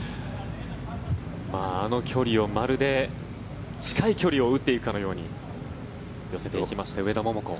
あの距離をまるで近い距離を打っているかのように寄せていきました、上田桃子。